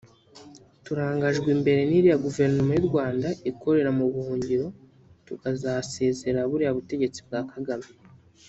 turangajwe imbere n’iriya Guverinoma y’u Rwanda ikorera mu buhungiro tugasezerera buriya butegetsi bwa Kagame